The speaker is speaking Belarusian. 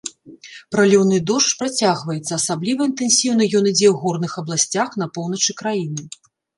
Праліўны дождж працягваецца, асабліва інтэнсіўна ён ідзе ў горных абласцях на поўначы краіны.